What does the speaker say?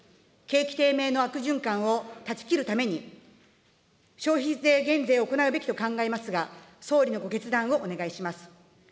景気低迷の悪循環を断ち切るために、消費税減税を行うべきと考えますが、総理のご決断をお願いします。